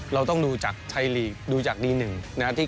เราต้องดูจากไทยลีกดูจากดีหนึ่งนะครับ